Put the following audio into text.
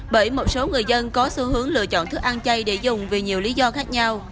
bởi một số người dân có xu hướng lựa chọn thức ăn chay để dùng vì nhiều lý do khác nhau